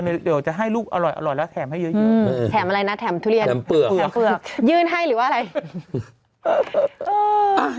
ยื่นให้หรือว่าอะไร